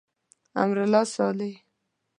امرالله صالح.